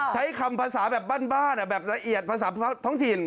ใช้คำภาษาแบบบ้านแบบละเอียดภาษาท้องถิ่น